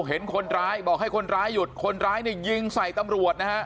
เห็นคนร้ายบอกให้คนร้ายหยุดคนร้ายเนี่ยยิงใส่ตำรวจนะฮะ